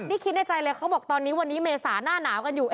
นี่คิดในใจเลยเขาบอกตอนนี้วันนี้เมษาหน้าหนาวกันอยู่